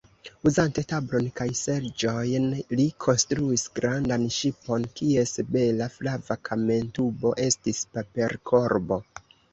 Uzante tablon kaj seĝojn, li konstruis grandan ŝipon, kies bela flava kamentubo estis paperkorbo.